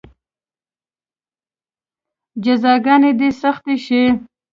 جزاګانې دې سختې شي.